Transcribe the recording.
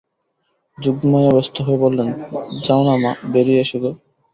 যোগমায়া ব্যস্ত হয়ে বললেন, যাও-না মা, বেড়িয়ে এসো গে।